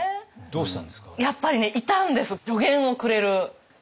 やっぱりねいたんです助言をくれる友人が。